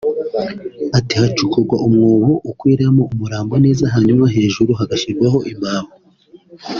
Ati “Hacukurwa umwobo ukwirwamo umurambo neza hanyuma hejuru hagashyirwaho imbaho